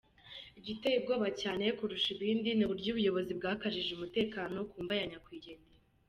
Igiteye ubwoba cyane kurusha ibindi, ni uburyo ubuyobozi bwakajije umutekano ku mva ya nyakwigendera.